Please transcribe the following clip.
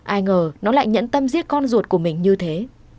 ai ngờ nó lại nhẫn tâm giết con ruột của mình như thế